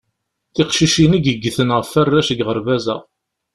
Tiqcicin i iggten ɣef arrac deg uɣerbaz-a.